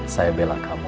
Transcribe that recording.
saya bela kamu